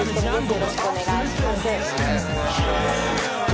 よろしくお願いします。